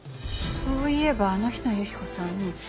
そういえばあの日の雪子さん